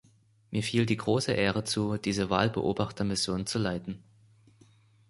Mir fiel die große Ehre zu, diese Wahlbeobachtermission zu leiten.